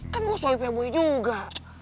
kan gua soal ipa boy juga